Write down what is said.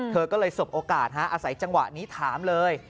เธอก็เลยสบโอกาสอาศัยจังหวะนี้ถามเลย